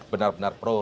benar benar pro rakyat